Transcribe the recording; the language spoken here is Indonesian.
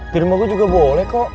di rumah gue juga boleh kok